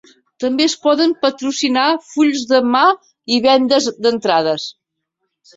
També es poden patrocinar fulls de mà i vendes d'entrades.